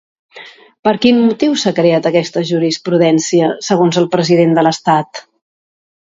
Per quin motiu s'ha creat aquesta jurisprudència segons el president de l'Estat?